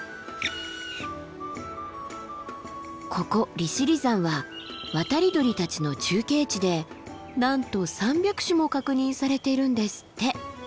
ここ利尻山は渡り鳥たちの中継地でなんと３００種も確認されているんですって。